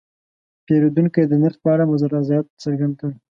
پیرودونکی د نرخ په اړه رضایت څرګند کړ.